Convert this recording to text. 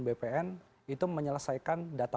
bpn itu menyelesaikan data